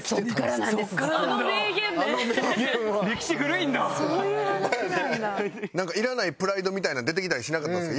なんかいらないプライドみたいな出てきたりしなかったんですか？